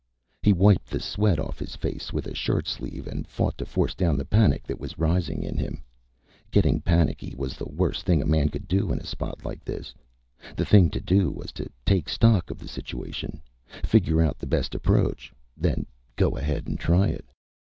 He wiped the sweat off his face with a shirt sleeve and fought to force down the panic that was rising in him. Getting panicky was the worst thing a man could do in a spot like this. The thing to do was to take stock of the situation, figure out the best approach, then go ahead and try it.